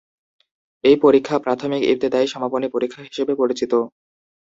এই পরীক্ষা প্রাথমিক ইবতেদায়ী সমাপনী পরীক্ষা হিসেবে পরিচিত।